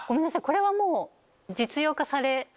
これはもう。